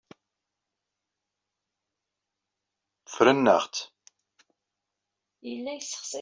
Ffren-aɣ-tt.